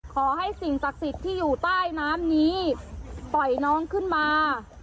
ขอให้สิ่งศักดิ์สิทธิ์ที่อยู่ใต้น้ำนี้ปล่อยน้องขึ้นมา